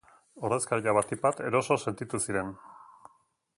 Ordezkariak batik bat eroso sentitu ziren.